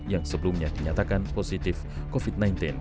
yang sebelumnya dinyatakan positif covid sembilan belas